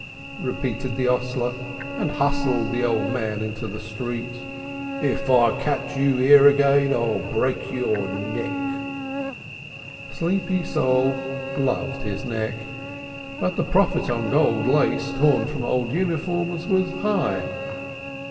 repeated the hostler and hustled the old man into the street. "If I catch you 'ere again, I'll break your neck." Sleepy Sol loved his neck, but the profit on gold lace torn from old uniforms was high.